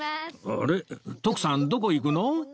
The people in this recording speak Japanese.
あれ徳さんどこ行くの？